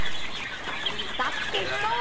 あんたって人は！